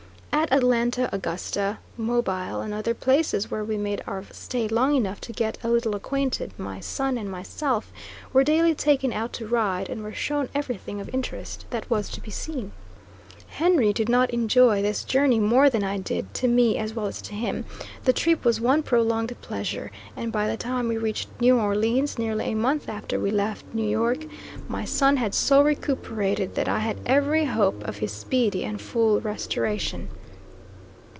At Atlanta, Augusta, Mobile, and other places, where we made our stay long enough to get a little acquainted, my son and myself were daily taken out to ride, and were shown everything of interest that was to be seen. Henry did not enjoy this journey more than I did to me as well as to him, the trip was one prolonged pleasure, and by the time we reached New Orleans nearly a month after we left New York, my son had so recuperated that I had every hope of his speedy and full restoration.